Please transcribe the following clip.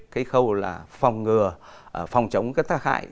cái khâu là phòng ngừa phòng chống các tác hại